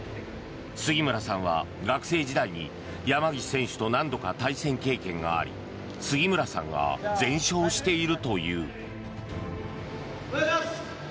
杉村さんは学生時代に山岸選手と何度か対戦経験があり杉村さんが全勝しているという。